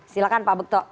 silahkan pak bekto